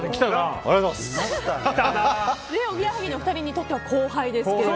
おぎやはぎのお二人にとっては後輩ですけど。